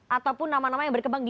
ataupun nama nama yang berkembang di